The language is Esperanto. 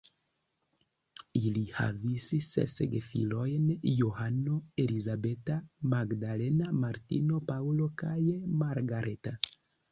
Ili havis ses gefilojn: Johano, Elizabeta, Magdalena, Martino, Paŭlo kaj Margareta.